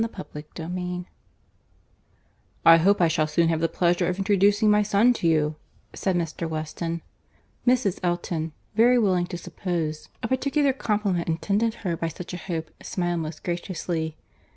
CHAPTER XVIII "I hope I shall soon have the pleasure of introducing my son to you," said Mr. Weston. Mrs. Elton, very willing to suppose a particular compliment intended her by such a hope, smiled most graciously.